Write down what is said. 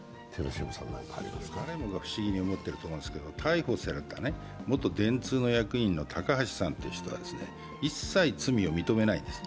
誰もが不思議に思っていると思うんですけど逮捕された元電通の役員の高橋さんという人は一切、罪を認めないんです。